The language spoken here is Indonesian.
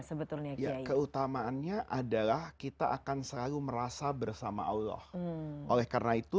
sebetulnya ya keutamaannya adalah kita akan selalu merasa bersama allah oleh karena itu